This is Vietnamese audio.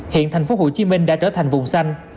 hiện tp hcm đã trở thành vùng xanh